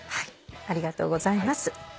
ありがとうございます。